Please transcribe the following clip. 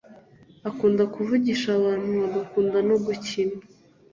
akunda kuvugisha abantu agakunda no gukina